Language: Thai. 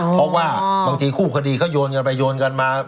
เพราะว่าบางทีคู่คดีเขาโยนกันไปโยนกันมา